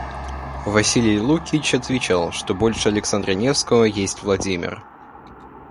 Василий Лукич отвечал, что больше Александра Невского есть Владимир.